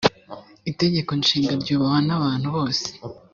itegeko nshinga ryubahwa n abantu bose